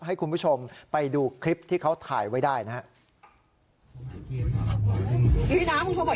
ให้คุณผู้ชมไปดูคลิปที่เขาถ่ายไว้ได้นะครับ